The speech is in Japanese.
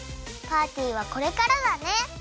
パーティーはこれからだね！